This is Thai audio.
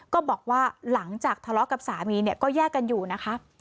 ก็บอกว่าหลังจากทะเลาะกับสามีเนี่ยก็แยกกันอยู่นะคะ